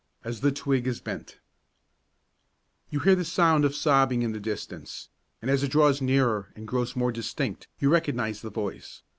III AS THE TWIG IS BENT You hear the sound of sobbing in the distance, and as it draws nearer and grows more distinct you recognise the voice.